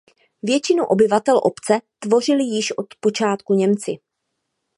Většinu obyvatel obce tvořili již od počátku Němci.